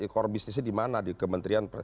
core bisnisnya di mana